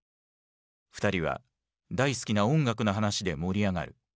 ２人は大好きな音楽の話で盛り上がる。